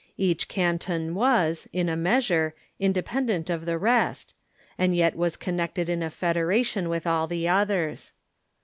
Each canton was, in a measure, independent of the rest, and yet was connected in a federation Avith all the others.